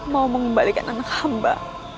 mau mengembalikan anak hamba